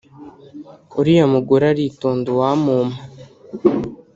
“uriya mugore aritonda uwamumpa”